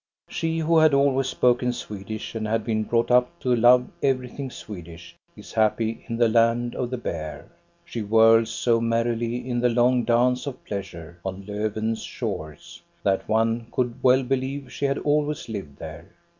She, who had always spoken Swedish and had been brought up to love everything Swedish, is happy in the land of the bear. She whirls so mer rily in the long dance of pleasure, on Lofven's shores, that one could well believe she had always lived there.